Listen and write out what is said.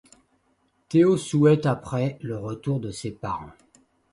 Théo souhaite après, le retour de ses parents.